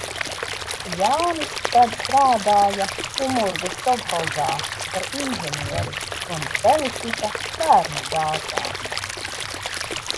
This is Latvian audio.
Jānis tad strādāja Umurgas sovhozā par inženieri un Felicita bērnu dārzā.